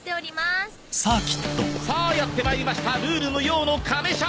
さあやってまいりましたルール無用のカメ車レース！